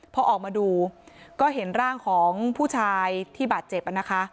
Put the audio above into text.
พอออกมาดูก็เห็นร่างของผู้ชายที่บาดเจ็บนะคะ